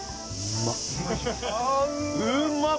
うまっ！